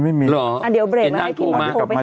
อ๋อเดี๋ยวเบรดมาให้พี่หมอโทรไปหา